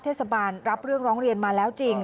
เทศบาลรับเรื่องร้องเรียนมาแล้วจริง